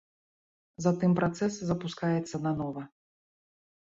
Затым працэс запускаецца нанова.